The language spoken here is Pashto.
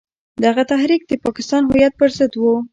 دغه تحریک د پاکستان هویت پر ضد وو.